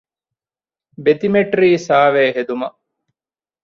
ބެތިމެޓްރީ ސަރވޭ ހެދުމަށް